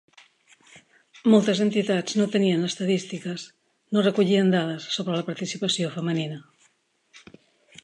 Moltes entitats no tenien estadístiques, no recollien dades sobre la participació femenina.